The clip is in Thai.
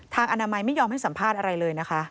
ทางอนามัยไม่ยอมให้สัมภาษณ์อะไรเลย